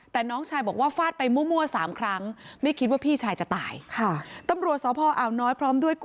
แต่น้องชายบอกว่าฟาดไปมั่ว๓ครั้งไม่คิดว่าพี่ชายจะตายค่ะ